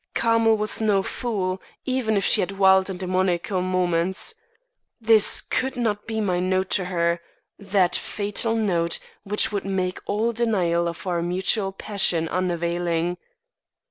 Carmel was no fool even if she had wild and demoniacal moments. This could not be my note to her, that fatal note which would make all denial of our mutual passion unavailing.